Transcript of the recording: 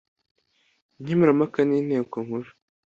nkemurampaka n inteko nkuru